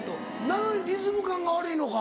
なのにリズム感が悪いのか。